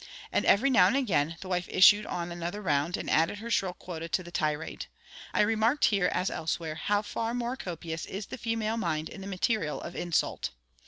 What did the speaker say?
And every now and again, the wife issued on another round, and added her shrill quota to the tirade. I remarked here, as elsewhere, how far more copious is the female mind in the material of insult.